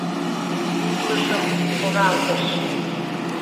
— «Утлышым!» — шоналтыш.